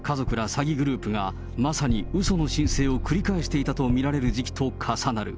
詐欺グループが、まさにうその申請を繰り返していたと見られる時期と重なる。